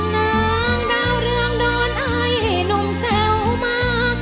นางดาวเรืองนอนไอให้หนุ่มแซวมา